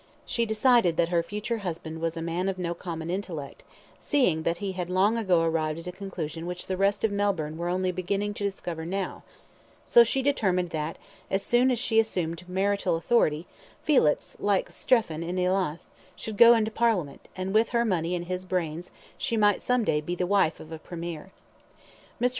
She decided that her future husband was a man of no common intellect, seeing that he had long ago arrived at a conclusion which the rest of Melbourne were only beginning to discover now, so she determined that, as soon as she assumed marital authority, Felix, like Strephon in "Iolanthe," should go into Parliament, and with her money and his brains she might some day be the wife of a premier. Mr.